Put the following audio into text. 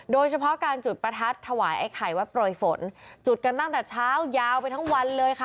โดยเฉพาะการจุดประทัดถวายไอ้ไข่วัดโปรยฝนจุดกันตั้งแต่เช้ายาวไปทั้งวันเลยค่ะ